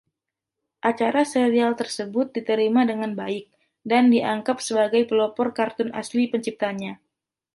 Acara serial tersebut diterima dengan baik, dan dianggap sebagai pelopor kartun asli penciptanya.